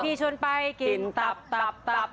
ชวนไปกินตับตับตับ